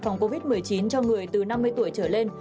phòng covid một mươi chín cho người từ năm mươi tuổi trở lên